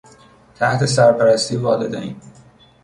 تحت سرپرستی والدین